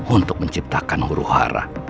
untuk menciptakan huru hara